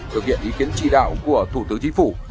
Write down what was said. được hiện ý kiến trị đạo của thủ tướng chính phủ